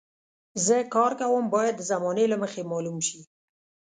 زه کار کوم باید د زمانې له مخې معلوم شي.